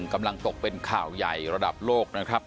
กำลังตกเป็นข่าวใหญ่ระดับโลกนะครับ